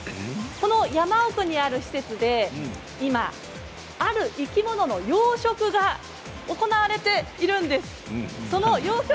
この山奥にある施設で今、ある生き物の養殖が行われているんです。